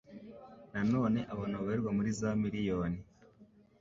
Nanone abantu babarirwa muri za miriyoni